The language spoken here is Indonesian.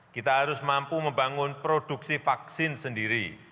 kita harus mampu membangun produksi vaksin sendiri